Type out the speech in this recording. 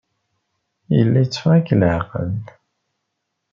Yella itteffeɣ-ik leɛqel.